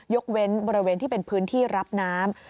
เว้นบริเวณที่เป็นพื้นที่รับน้ำ